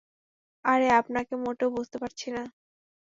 আরে, আপনাকে মোটেও বুঝতে পারছি না।